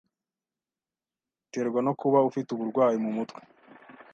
iterwa no kuba ufite uburwayi mu mutwe